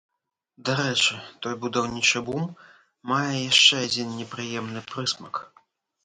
Дарэчы, той будаўнічы бум мае яшчэ адзін непрыемны прысмак.